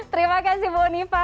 terima kasih bu unifa